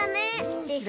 でしょ？